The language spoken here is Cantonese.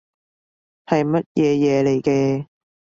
係乜嘢嘢嚟嘅